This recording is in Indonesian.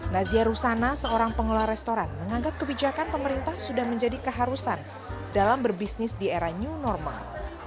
nazia rusana seorang pengelola restoran menganggap kebijakan pemerintah sudah menjadi keharusan dalam berbisnis di era new normal